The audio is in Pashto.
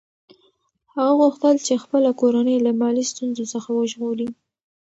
هغه غوښتل چې خپله کورنۍ له مالي ستونزو څخه وژغوري.